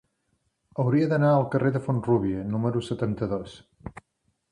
Hauria d'anar al carrer de Font-rúbia número setanta-dos.